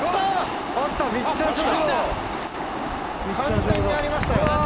完全にありましたよ！